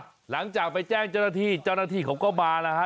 ห้ะหลังจากไปแจ้งเจ้านักที่เจ้านักที่เขาก็มานะฮะ